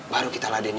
baru kita laden ini